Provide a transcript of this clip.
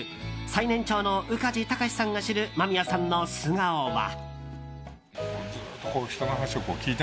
最年長の宇梶剛士さんが知る間宮さんの素顔は。